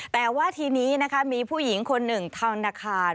แต่ว่าทีนี้นะคะมีผู้หญิงคนหนึ่งธนาคาร